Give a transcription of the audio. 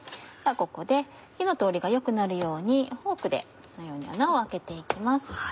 ここで火の通りが良くなるようにフォークでこのように穴を開けて行きます。